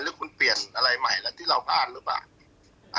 หรือคุณเปลี่ยนอะไรใหม่แล้วที่เราพลาดหรือเปล่า